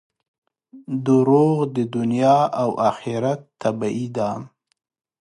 • دروغ د دنیا او آخرت تباهي ده.